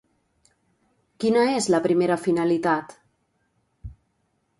Quina és la primera finalitat?